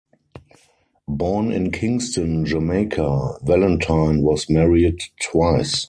Born in Kingston, Jamaica, Valentine was married twice.